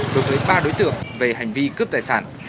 đối với ba đối tượng về hành vi cướp tài sản